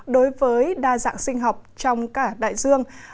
đối với đa dạng sinh học trong cả đại dương